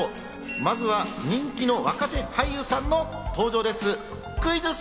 まずは人気の若手俳優さんの登場です、クイズッス！